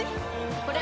これ！